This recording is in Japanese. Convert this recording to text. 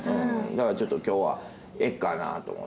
だからちょっと今日はええかなと思って。